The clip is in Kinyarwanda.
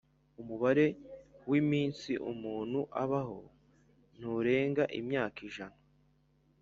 Umubare w’iminsi umuntu abaho nturenga imyaka ijana.